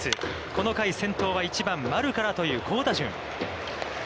この回先頭は１番丸からという好打順。